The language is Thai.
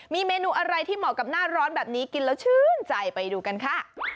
มีเมนูอะไรที่เหมาะกับหน้าร้อนแบบนี้กินแล้วชื่นใจไปดูกันค่ะ